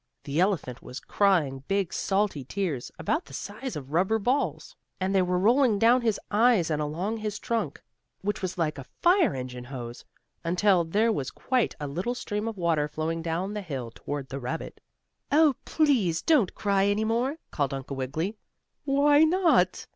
The elephant was crying big, salty tears, about the size of rubber balls, and they were rolling down from his eyes and along his trunk, which was like a fire engine hose, until there was quite a little stream of water flowing down the hill toward the rabbit. "Oh, please don't cry any more!" called Uncle Wiggily. "Why not?"